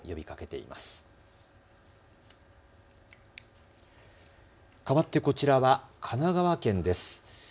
かわってこちらは神奈川県です。